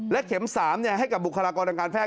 และเข็ม๓ให้กับบุคลากรรมการแพทย์